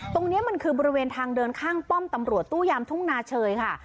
ตรงนี้มันคือบริเวณทางเดินข้างป้อมตำรวจตู้ยามทุ่งนาเชยค่ะ